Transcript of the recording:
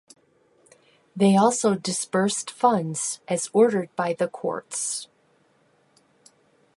They also disbursed funds as ordered by the courts.